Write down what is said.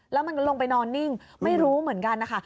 แล้วมันก็ลงไปนอนนิ่งไม่รู้เหมือนกันนะคะ